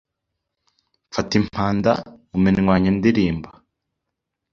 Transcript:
Mfata impanda mu minwa yanjye ndirimba.